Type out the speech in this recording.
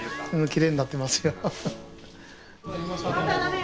キレイになってますよ。